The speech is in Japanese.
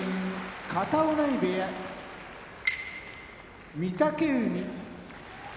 片男波部屋御嶽海